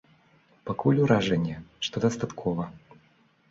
Пакуль ўражанне, што дастаткова.